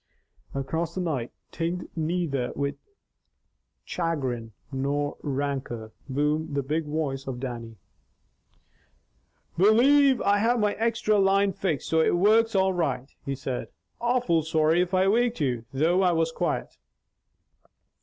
Across the night, tinged neither with chagrin nor rancor, boomed the big voice of Dannie. "Believe I have my extra line fixed so it works all right," he said. "Awful sorry if I waked you. Thought I was quiet."